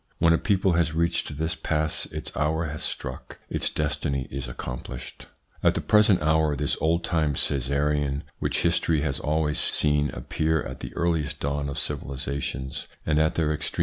When a people has reached this pass its hour has struck, its destiny is accomplished. At the present hour this old time Caesarism, which history has always seen appear at the earliest dawn of civilisations and at their extreme decadence, is undergoing a manifest evolution.